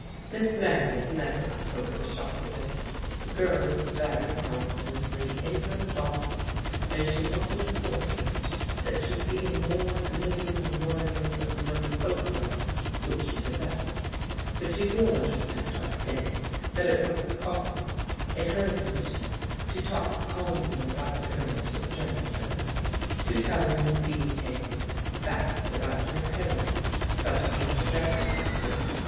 " Miss Meredith never got over the shock of it. The girl is very con stantly in her thoughts and she wanted a portrait that should be a more living memorial than the one pho tograph which she possessed. But you will under stand, I think, that it was impossible, in her con dition, to talk calmly about the girl to a stranger — to tell him in detail, facts about her appearance such as Mr. Jeffrey wanted.